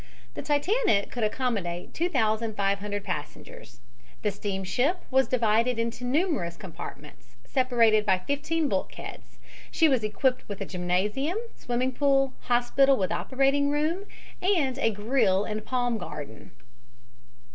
The Titanic could accommodate 2500 passengers. The steamship was divided into numerous compartments, separated by fifteen bulkheads. She was equipped with a gymnasium, swimming pool, hospital with operating room, and a grill and palm garden.